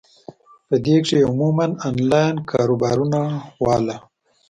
پۀ دې کښې عموماً انلائن کاروبارونو واله ،